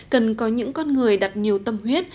cần có những con người đặt nhiều tâm huyết